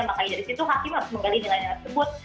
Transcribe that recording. makanya dari situ hakim harus menggali nilainya tersebut